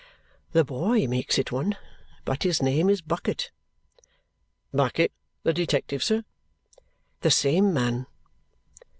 "The boy makes it one. But his name is Bucket." "Bucket the detective, sir?" "The same man."